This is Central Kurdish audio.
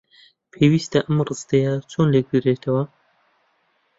پێویستە ئەم ڕستەیە چۆن لێک بدرێتەوە؟